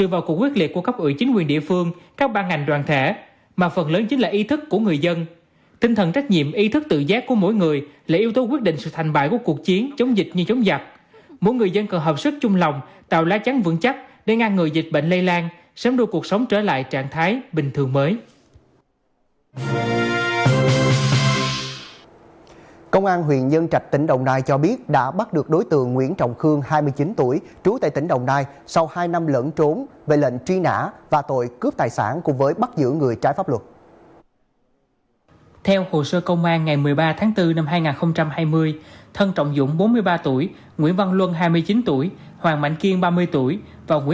bằng các biện pháp nghiệp vụ sáng ngày hai mươi một tháng một mươi một công an huyện nhân trạch đã bắt được khương khi ý đang lẫn trốn với địa bàn quốc xã phước thiền